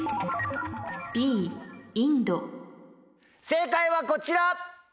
正解はこちら！